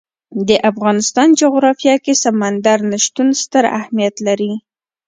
د افغانستان جغرافیه کې سمندر نه شتون ستر اهمیت لري.